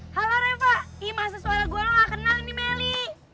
halo repa ih masa suara gua lo gak kenal nih meli